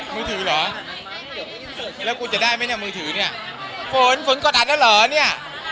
มือถือเหรอแล้วกูจะได้ไหมเนี่ยมือถือเนี่ยฝนฝนกดดันแล้วเหรอเนี่ย